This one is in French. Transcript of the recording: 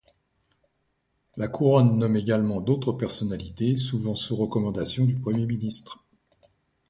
La Couronne nomme également d'autres personnalités, souvent sous recommandation du Premier ministre.